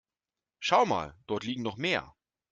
Schau mal, dort liegen noch mehr.